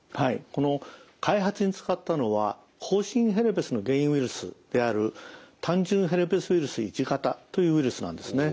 この開発に使ったのはほう疹ヘルペスの原因ウイルスである単純ヘルペスウイルス１型というウイルスなんですね。